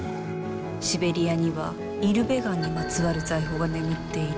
シベリアにはイルベガンにまつわる財宝が眠っている。